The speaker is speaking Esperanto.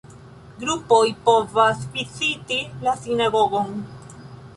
Grupoj povas viziti la sinagogon.